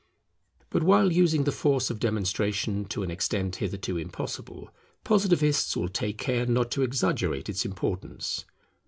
But while using the force of demonstration to an extent hitherto impossible, Positivists will take care not to exaggerate its importance.